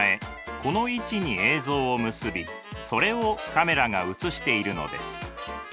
この位置に映像を結びそれをカメラが映しているのです。